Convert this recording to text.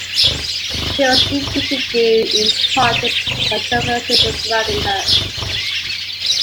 She was defeated due, in part, to controversies surrounding her.